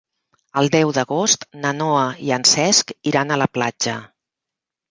El deu d'agost na Noa i en Cesc iran a la platja.